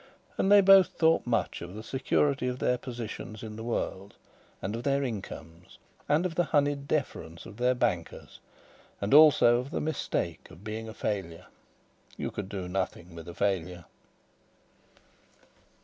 And they both thought much of the security of their positions in the world, and of their incomes, and of the honeyed deference of their bankers; and also of the mistake of being a failure.... You could do nothing with a failure.